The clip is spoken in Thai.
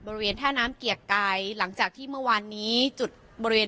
บริเวณท่าน้ำเกียรติกายหลังจากที่เมื่อวานนี้จุดบริเวณ